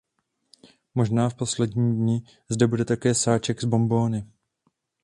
Možná v posledním dni zde bude také sáček s bonbóny.